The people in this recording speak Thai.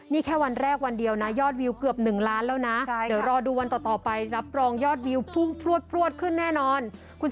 นี่แค่วันแรกวันเดียวนะยอดวิวเกือบ๑ล้านแล้วนะเดี๋ยวรอดูวันต่อไปรับรองยอดวิวพุ่งพลวดขึ้นแน่นอน